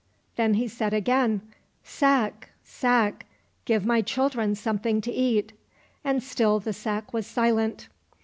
Then he said again, " Sack, sack, give my children something to eat !" And still the sack was silent.